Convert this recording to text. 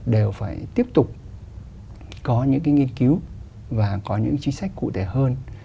đều phải tiếp tục có những cái nghiên cứu và có những chính sách cụ thể hơn